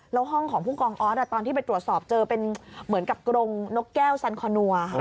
แล้วห้องของผู้กองออสตอนที่ไปตรวจสอบเจอเป็นเหมือนกับกรงนกแก้วสันคอนัวค่ะ